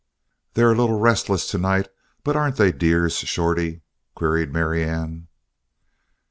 "They're a little restless to night, but aren't they dears, Shorty?" queried Marianne.